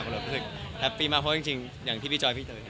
เราก็รู้สึกแฮปปี้มากเพราะว่าจริงอย่างที่พี่จอยพี่เต๋อเห็น